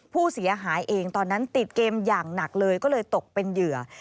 ผู้เสียหายเองตอนนั้นติดเกมอย่างหนักเลยก็เลยตกเป็นเหยื่อ